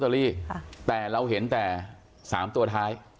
เลขอะไรครับ